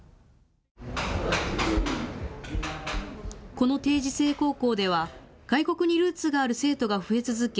この定時制高校では外国にルーツがある生徒が増え続け